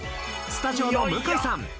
スタジオの向井さん